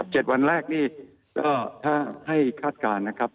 ๗วันแรกนี่ก็ถ้าให้คาดการณ์นะครับ